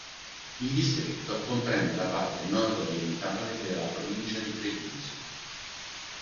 Il distretto comprende la parte nord-orientale della provincia di Treviso.